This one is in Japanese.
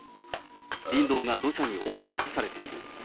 林道が土砂に覆い尽くされている。